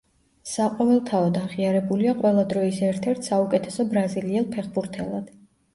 საყოველთაოდ აღიარებულია ყველა დროის ერთ-ერთ საუკეთესო ბრაზილიელ ფეხბურთელად.